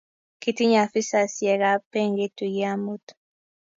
kitinye afisaisiekab benkit tuyie amut.